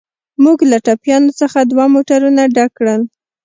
موږ له ټپیانو څخه دوه موټرونه ډک کړل.